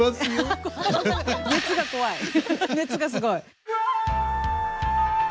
熱がすごい！